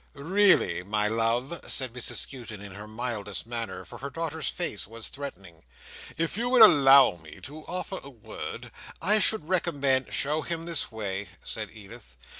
"Really, my love," said Mrs Skewton in her mildest manner; for her daughter's face was threatening; "if you would allow me to offer a word, I should recommend—" "Show him this way," said Edith.